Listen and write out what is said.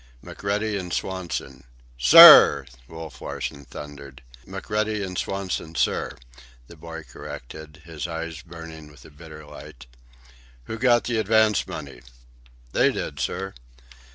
"McCready and Swanson." "Sir!" Wolf Larsen thundered. "McCready and Swanson, sir," the boy corrected, his eyes burning with a bitter light. "Who got the advance money?" "They did, sir."